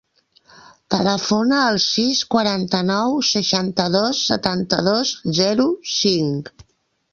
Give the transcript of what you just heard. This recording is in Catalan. Telefona al sis, quaranta-nou, seixanta-dos, setanta-dos, zero, cinc.